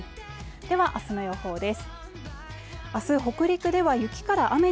では明日の予報です。